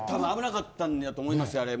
危なかったんだと思いますよ。